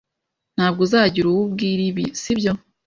Ntabwo uzagira uwo ubwira ibi, sibyo?